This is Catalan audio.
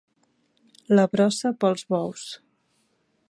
La brossa, pels bous.